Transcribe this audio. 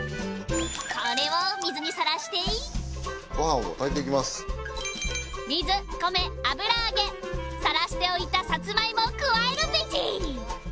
これを水にさらして水米油揚げさらしておいたサツマイモを加えるベジ